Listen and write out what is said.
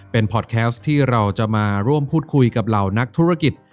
เป็นพอร์ตแคสต์ที่เราจะมาร่วมพูดคุยกับเหล่านักธุรกิจ